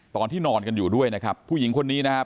ตอนที่นอนกันอยู่ด้วยนะครับผู้หญิงคนนี้นะครับ